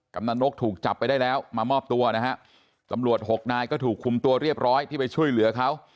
กำลังนกถูกจับไปได้แล้วมามอบตัวนะฮะตำรวจหกนายก็ถูกคุมตัวเรียบร้อยที่ไปช่วยเหลือเขา